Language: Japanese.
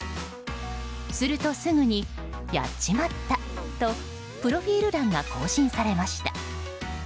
すると、すぐにやっちまったとプロフィール欄が更新されました。